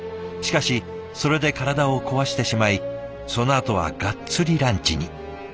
しかしそれで体を壊してしまいそのあとはがっつりランチに。